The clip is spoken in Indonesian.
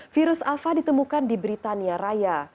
virus alfa ditemukan di britania raya